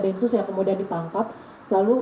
densus yang kemudian ditangkap lalu